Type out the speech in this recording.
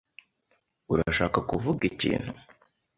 Urashaka kuvuga ikintu?